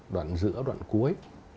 đoạn giữa đoạn cuối